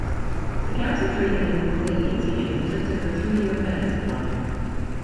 The council treated him with leniency and inflicted a three-year penance upon him.